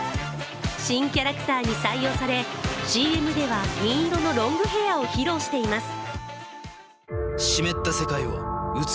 新キャラクターに採用されＣＭでは銀色のロングヘアを披露しています。